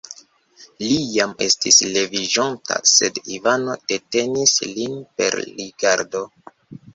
Li jam estis leviĝonta, sed Ivano detenis lin per rigardo.